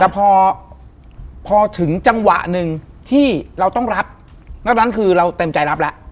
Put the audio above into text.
แต่พอพอถึงจังหวะหนึ่งที่เราต้องรับนอกนั้นคือเราเต็มใจรับแล้ว